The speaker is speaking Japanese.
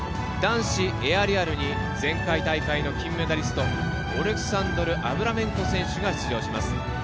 男子エアリアルに前回大会の金メダリストオレクサンドル・アブラメンコ選手が出場します。